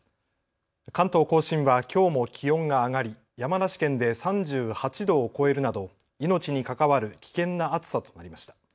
関東甲信はきょうも気温が上がり山梨県で３８度を超えるなど命に関わる危険な暑さとなりました。